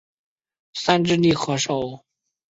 三只手合力。